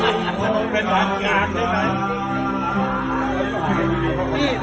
เหมือนจะพอเจอรู้ว่า